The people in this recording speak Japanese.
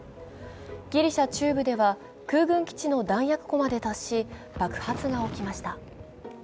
ギリシャ中部では空軍基地の弾薬庫まで達し、爆発が起きました。